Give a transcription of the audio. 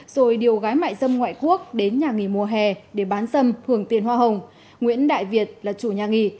rồi điều gái mại dâm ngoại quốc đến nhà nghỉ mùa hè để bán dâm hưởng tiền hoa hồng nguyễn đại việt là chủ nhà nghỉ